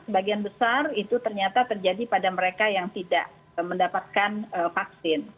sebagian besar itu ternyata terjadi pada mereka yang tidak mendapatkan vaksin